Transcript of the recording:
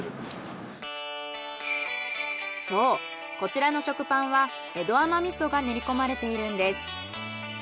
そうこちらの食パンは江戸甘味噌が練りこまれているんです。